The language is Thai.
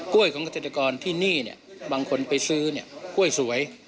ของเกษตรกรที่นี่บางคนไปซื้อกล้วยสวย